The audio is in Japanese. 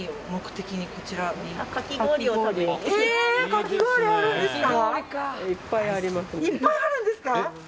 かき氷あるんですか。